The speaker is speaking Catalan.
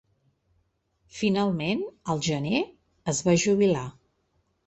Finalment, al gener, es va jubilar.